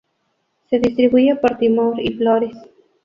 Se distribuye por Timor y Flores.